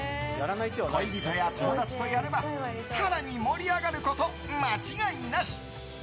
恋人や友達とやれば更に盛り上がること間違いなし！